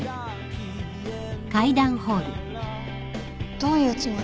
どういうつもり？